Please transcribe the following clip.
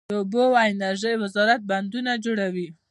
د اوبو او انرژۍ وزارت بندونه جوړوي؟